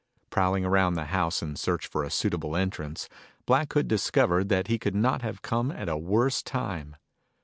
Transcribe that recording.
Prowling around the house in search for a suitable entrance, Black Hood discovered that he could not have come at a worse time.